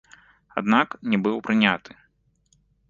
Аднак не быў прыняты.